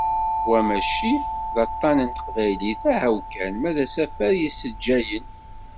Wa mačči d aṭan n teqbaylit, ahaw kan, wa d asafar yessejjayen.